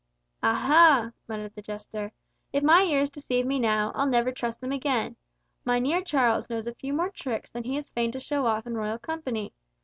"Ah ha!" muttered the jester, "if my ears deceive me now, I'll never trust them again! Mynheer Charles knows a few more tricks than he is fain to show off in royal company.